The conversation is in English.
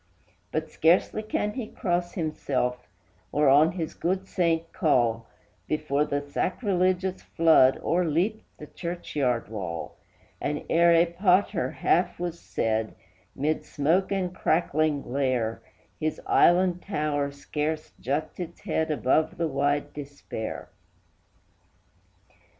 But scarcely can he cross himself, or on his good saint call, Before the sacrilegious flood o'erleaped the churchyard wall; And, ere a pater half was said, mid smoke and crackling glare, His island tower scarce juts its head above the wide despair.